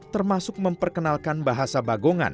termasuk memperkenalkan bahasa bagongan